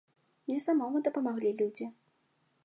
Мне самому дапамаглі людзі.